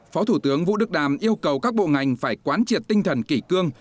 phó thủ tướng vũ đức đam yêu cầu các bộ ngành phải quán triệt tinh thần kỷ cương